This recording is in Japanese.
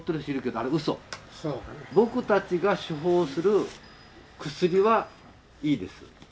僕たちが処方する薬はいいです。